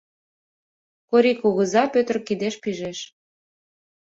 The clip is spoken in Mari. Корий кугыза Пӧтыр кидеш пижеш.